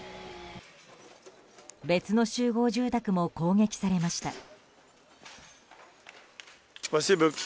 別の集合住宅も攻撃されました。